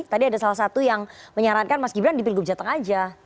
tadi ada salah satu yang menyarankan mas gibran di pilgub jateng aja